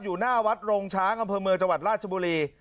หน้าวัดโรงช้างอำเภอเมืองจังหวัดราชบุรี